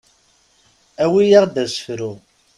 Awi-yaɣ-d asefru.